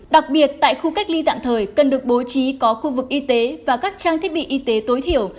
đặc biệt tại khu cách ly tạm thời cần được bố trí có khu vực y tế và các trang thiết bị y tế tối thiểu